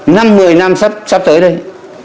năm một mươi năm sắp tới đây